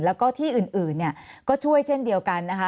แล้วก็ที่อื่นเนี่ยก็ช่วยเช่นเดียวกันนะคะ